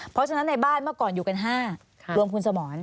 เพราะฉะนั้นในบ้านเมื่อก่อนอยู่กัน๕รวมคุณสมร